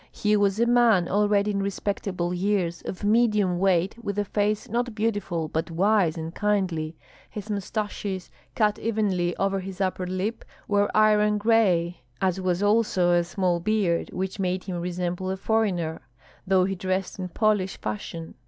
He was a man already in respectable years, of medium weight, with a face not beautiful, but wise and kindly. His mustaches, cut evenly over his upper lip, were iron gray, as was also a small beard, which made him resemble a foreigner, though he dressed in Polish fashion.